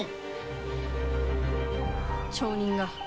町人が。